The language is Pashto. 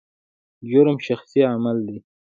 جرم شخصي عمل دی.